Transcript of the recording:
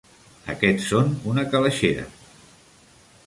Aquests són una calaixera.